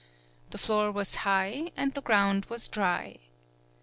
The floor was high and the ground was dry.